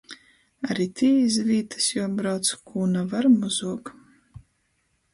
Ari tī iz vītys juobrauc kū na var mozuok.